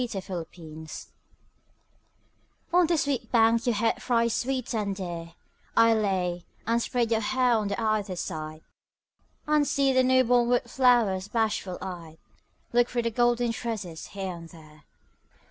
YOUTH'S SPRING TRIBUTE On this sweet bank your head thrice sweet and dear I lay, and spread your hair on either side, And see the newborn wood flowers bashful eyed Look through the golden tresses here and there.